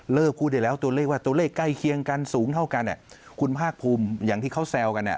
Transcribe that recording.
เลิกไกลเคียงกันสูงเท่ากันอะคุณภาครุมอย่างที่เขาแซวกันอะ